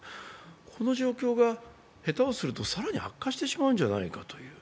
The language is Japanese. この状況が下手をすると更に悪化してしまうんじゃないかという。